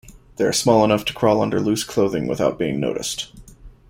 They are small enough to crawl under loose clothing without being noticed.